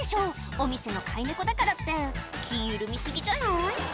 お店の飼い猫だからって気緩み過ぎじゃない？